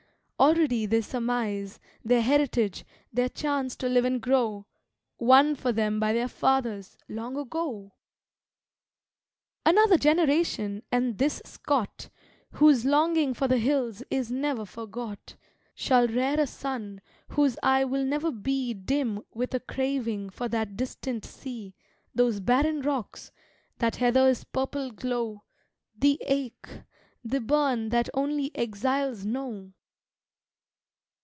Already they surmise Their heritage, their chance to live and grow, Won for them by their fathers, long ago! Another generation, and this Scot, Whose longing for the hills is ne'er forgot, Shall rear a son whose eye will never be Dim with a craving for that distant sea, Those barren rocks, that heather's purple glow The ache, the burn that only exiles know!